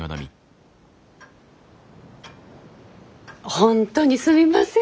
本当にすみません。